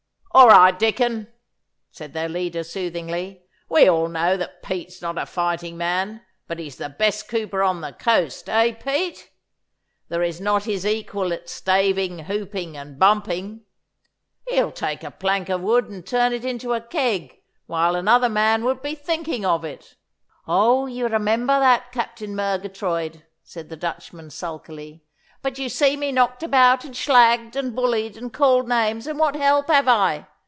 'All right, Dicon,' said their leader soothingly. 'We all know that Pete's not a fighting man, but he's the best cooper on the coast, eh, Pete? There is not his equal at staving, hooping, and bumping. He'll take a plank of wood and turn it into a keg while another man would be thinking of it.' 'Oh, you remember that, Captain Murgatroyd,' said the Dutchman sulkily. 'But you see me knocked about and shlagged, and bullied, and called names, and what help have I?